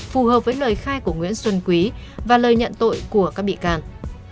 phù hợp với lời khai của nguyễn xuân quý và lời nhận tội của các bị can